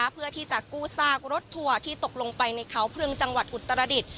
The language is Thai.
เพื่อที่จะกู้ซากรถทัวร์ที่ตกลงไปในเขาพรึงจังหวัดอุตรดิษฐ์